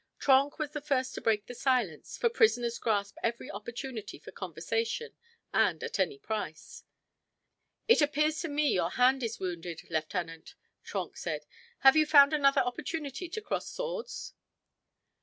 Trenck was the first to break the silence, for prisoners grasp every opportunity for conversation, and at any price. "It appears to me your hand is wounded, lieutenant," Trenck said. "Have you found another opportunity to cross swords?"